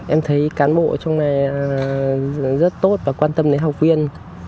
em thấy cán bộ trong này rất tốt và quan tâm đến học viên